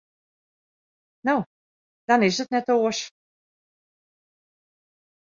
No, dan is it net oars.